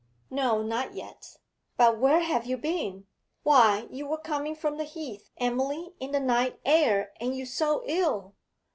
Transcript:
'No, not yet. But where have you been? Why, you were coming from the Heath, Emily, in the night air, and you so ill!'